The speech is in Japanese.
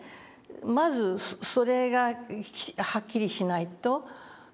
まずそれがはっきりしないとでしょうね。